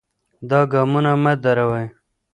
دا ګامونه مه دروئ.